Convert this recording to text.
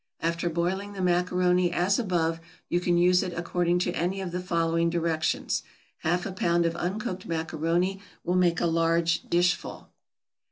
After boiling the macaroni as above, you can use it according to any of the following directions. Half a pound of uncooked macaroni will make a large dishful.